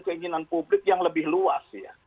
keinginan publik yang lebih luas ya